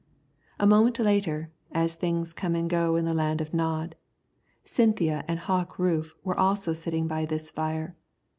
A moment later, as things come and go in the land of Nod, Cynthia and Hawk Rufe were also sitting by this fire.